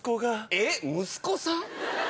えっ息子さん